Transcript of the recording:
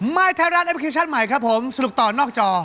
ยไทยรัฐแอปพลิเคชันใหม่ครับผมสนุกต่อนอกจอ